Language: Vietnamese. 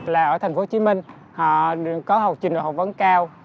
là ở thành phố hồ chí minh họ có học trình độ học vấn cao